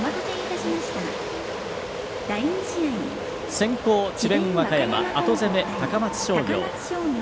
先攻、智弁和歌山後攻め、高松商業。